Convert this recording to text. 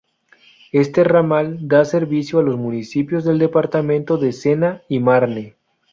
Este ramal da servicio a los municipios del departamento de Sena y Marne.